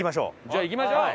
じゃあ行きましょう！